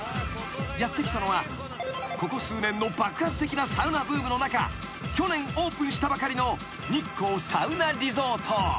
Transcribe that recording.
［やって来たのはここ数年の爆発的なサウナブームの中去年オープンしたばかりの日光サウナリゾート］